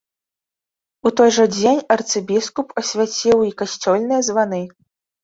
У той жа дзень арцыбіскуп асвяціў і касцёльныя званы.